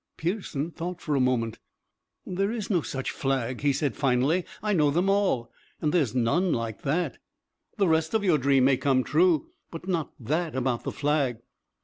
Pearson thought for a moment. "There's no such flag," he said finally. "I know them all, and there's none like that. The rest of your dream may come true, but not that about the flag.